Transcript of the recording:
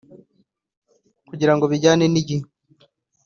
kugirango bijyane n’igihe